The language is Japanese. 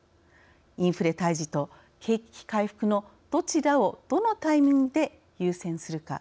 インフレ退治と景気回復のどちらをどのタイミングで優先するか。